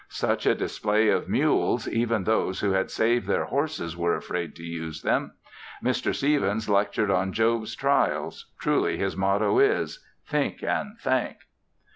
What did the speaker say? Such a display of mules, even those who had saved their horses were afraid to use them. Mr. Stevens lectured on Job's trials, truly his motto is, "Think and Thank."